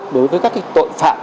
đối với các tội phạm